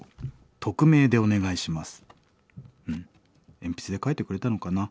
鉛筆で書いてくれたのかな？